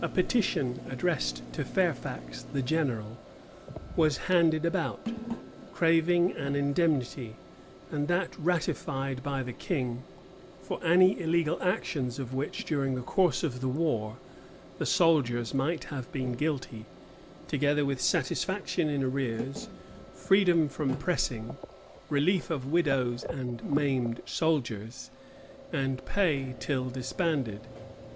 A petition, addressed to Fairfax, the general, was handed about, craving an indemnity, and that ratified by the king, for any illegal actions of which, during the course of the war, the soldiers might have been guilty; together with satisfaction in arrears, freedom from pressing, relief of widows and maimed soldiers, and pay till disbanded.